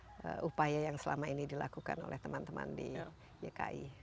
apa upaya yang selama ini dilakukan oleh teman teman di yki